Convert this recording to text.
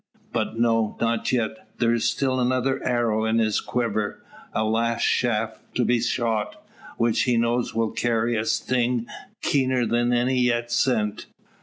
But no not yet. There is still another arrow in his quiver a last shaft to be shot which he knows will carry a sting keener than any yet sent.